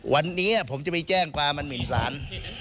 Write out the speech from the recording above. วันนี้ผมจะไม่แจ้งความมีสาร